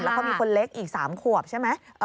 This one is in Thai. แล้วก็มีคนเล็กอีก๓ขวบใช่ไหม